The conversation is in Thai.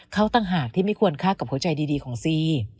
เขาต่างหากที่ไม่ควรฆ่ากับหัวใจดีของซี